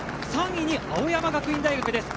３位に青山学院大学です。